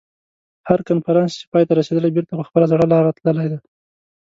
هر کنفرانس چې پای ته رسېدلی بېرته په خپله زړه لاره تللي.